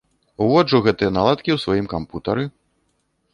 Уводжу гэтыя наладкі ў сваім кампутары.